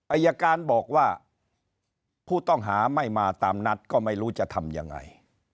อายการบอกว่าผู้ต้องหาไม่มาตามนัดก็ไม่รู้จะทำยังไง